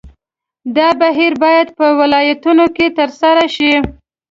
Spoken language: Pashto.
دا بهیر باید په ولایتونو کې ترسره شي.